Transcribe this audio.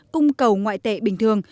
cung cầu ngoại tệ bình thường